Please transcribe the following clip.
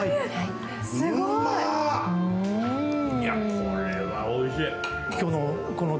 これはおいしい。